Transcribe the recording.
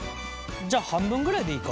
じゃあ半分ぐらいでいいか？